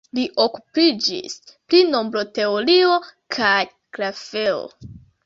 Li okupiĝis pri nombroteorio kaj grafeo.